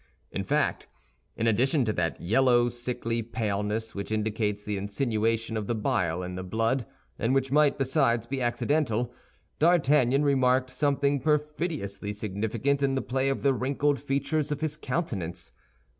In fact, in addition to that yellow, sickly paleness which indicates the insinuation of the bile in the blood, and which might, besides, be accidental, D'Artagnan remarked something perfidiously significant in the play of the wrinkled features of his countenance.